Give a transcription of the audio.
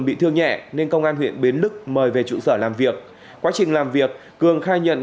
bị thương nhẹ nên công an huyện bến lức mời về trụ sở làm việc quá trình làm việc cường khai nhận